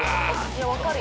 いやわかる。